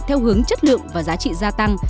theo hướng chất lượng và giá trị gia tăng